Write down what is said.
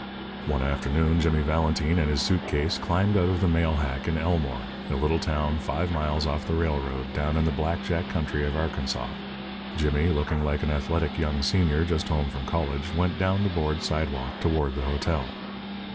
One afternoon Jimmy Valentine and his suit case climbed out of the mail hack in Elmore, a little town five miles off the railroad down in the black jack country of Arkansas. Jimmy, looking like an athletic young senior just home from college, went down the board side walk toward the hotel.